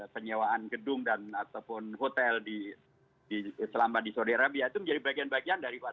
penyewaan gedung ataupun hotel di